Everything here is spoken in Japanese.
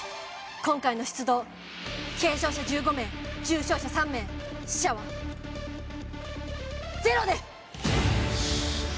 今回の出動軽傷者１５名重傷者３名死者はゼロです